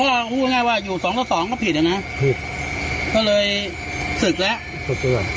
พูดง่ายง่ายว่าอยู่สองและสองก็ผิดอย่างนั้นผิดก็เลยศึกแล้ว